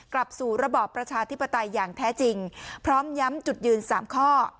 กลับสู่ระบอบประชาธิปไตยอย่างแท้จริงพร้อมย้ำจุดยืน๓ข้อ